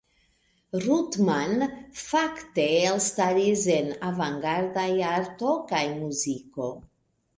Ruttmann fakte elstaris en avangardaj arto kaj muziko.